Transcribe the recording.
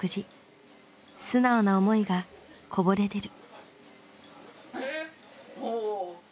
素直な思いがこぼれ出る。